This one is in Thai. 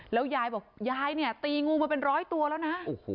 แล้วยายบอกยายเนี่ยตีงูมาเป็นร้อยตัวแล้วนะ